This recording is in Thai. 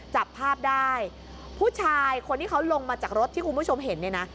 จับภาพได้ผู้ชายคนที่เขาลงมาจากรถที่คุณผู้ชมเห็นเนี่ยนะ